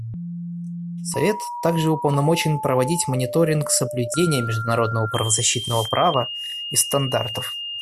Совет также уполномочен проводить мониторинг соблюдения международного правозащитного права и стандартов.